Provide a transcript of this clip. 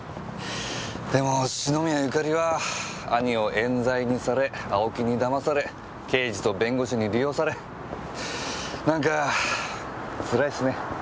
でも篠宮ゆかりは兄を冤罪にされ青木に騙され刑事と弁護士に利用されなんかつらいっすね。